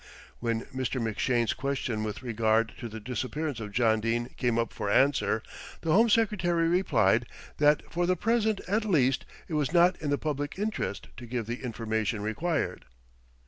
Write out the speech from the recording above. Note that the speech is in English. When Mr. McShane's question with regard to the disappearance of John Dene came up for answer, the Home Secretary replied that for the present at least it was not in the public interest to give the information required.